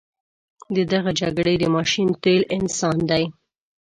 د دغه جګړې د ماشین تیل انسان دی.